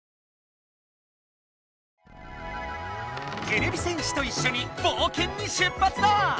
てれび戦士といっしょにぼうけんに出ぱつだ！